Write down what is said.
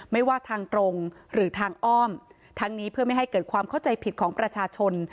ไม่ว่าทางตรงหรือทางอ้อมทั้งนี้เพื่อไม่ให้เกิดความเข้าใจผิดของประชาชน